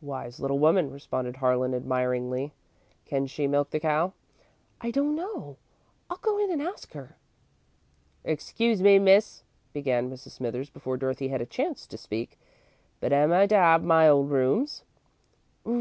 "Wise little woman," responded Harlan, admiringly. "Can she milk the cow?" "I don't know I'll go in and ask her." "Excuse me, Miss," began Mrs. Smithers, before Dorothy had a chance to speak, "but am I to 'ave my old rooms?"